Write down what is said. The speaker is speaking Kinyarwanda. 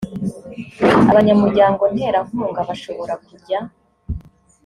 abanyamuryango nterankunga bashobora kujya